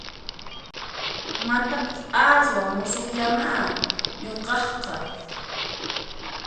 Kaymantapas aswan musuqllamá nuqaqqa